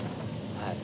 はい。